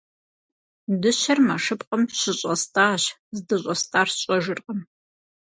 Дыщэр мэшыпкъэм щыщӏэстӏащ, здыщӏэстӏар сщӏэжыркъым.